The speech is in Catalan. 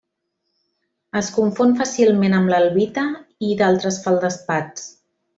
Es confon fàcilment amb l'albita i d'altres feldespats.